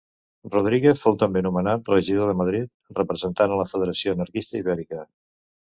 Rodríguez fou també nomenat regidor de Madrid, representant a la Federació Anarquista Ibèrica.